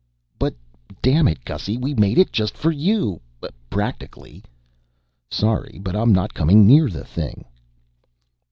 "But dammit, Gussy, we made it just for you! practically." "Sorry, but I'm not coming near the thing."